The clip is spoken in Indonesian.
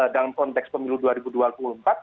dalam konteks pemilu dua ribu dua puluh empat